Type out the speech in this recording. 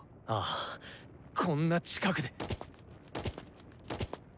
ああこんな近くで。